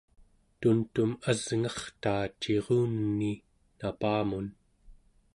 tuntum asngertaa ciruneni napamun